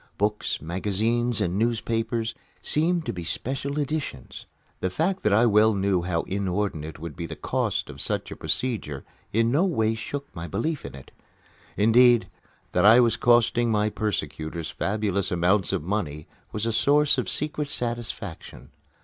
Books, magazines, and newspapers seemed to be special editions. The fact that I well knew how inordinate would be the cost of such a procedure in no way shook my belief in it. Indeed, that I was costing my persecutors fabulous amounts of money was a source of secret satisfaction.